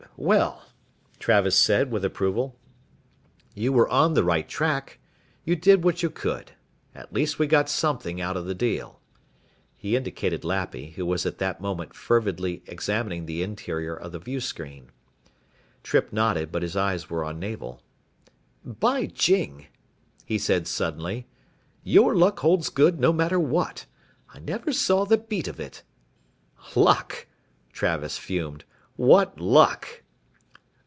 "Well," Travis said with approval, "you were on the right track. You did what you could. At least we got something out of the deal." He indicated Lappy, who was at that moment fervidly examining the interior of the viewscreen. Trippe nodded, but his eyes were on Navel. "By jing," he said suddenly, "your luck holds good, no matter what. I never saw the beat of it " "Luck?" Travis fumed, "what luck?"